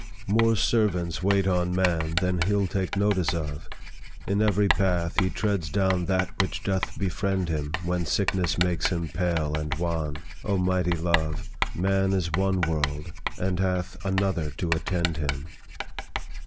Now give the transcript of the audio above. "More servants wait on man Than he'll take notice of. In every path, He treads down that which doth befriend him When sickness makes him pale and wan. Oh mighty love! Man is one world, and hath Another to attend him."